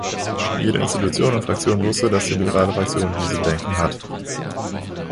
Jede Institution und Fraktion wusste, dass die liberale Fraktion diese Bedenken hat.